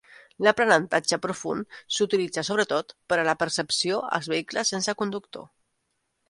L'aprenentatge profund s'utilitza sobretot per a la percepció als vehicles sense conductor.